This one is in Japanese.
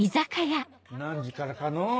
何時からかのう。